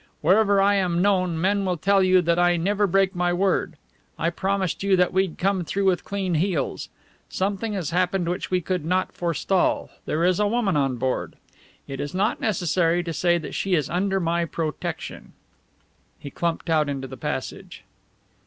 Wherever I am known, men will tell you that I never break my word. I promised you that we'd come through with clean heels. Something has happened which we could not forestall. There is a woman on board. It is not necessary to say that she is under my protection." He clumped out into the passage.